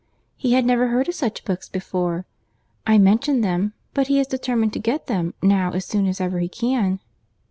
He had never heard of such books before I mentioned them, but he is determined to get them now as soon as ever he can."